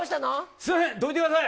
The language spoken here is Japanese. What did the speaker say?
すみません、どいてください。